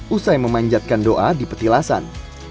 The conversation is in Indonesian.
usai memanjatkan doa di petilasan